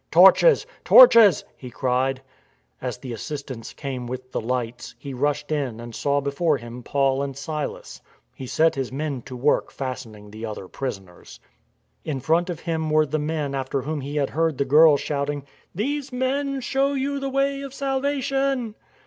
" Torches ! Torches !" he cried. As the assistants came with the lights, he rushed in and saw before him Paul and Silas. He set his men to work fastening the other prisoners. In front of EARTHQUAKE 197 him were the men after whom he had heard the girl shouting :" These men show you the way of salvation."